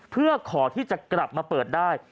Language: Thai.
เพื่อขอที่จะกลับมาเปิดได้